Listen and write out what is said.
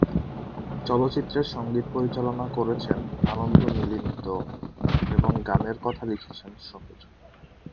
চলচ্চিত্রের সঙ্গীত পরিচালনা করেছেন আনন্দ-মিলিন্দ এবং গানের কথা লিখেছেন সমীর।